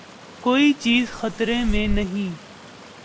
کوئی چیز خطرے میں نہیں۔